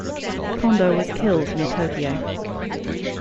Kondo was killed near Tokyo.